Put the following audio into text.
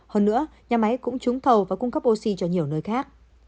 hơn nữa nhà máy cũng trúng thầu và cung cấp oxy cho nhiều nơi khác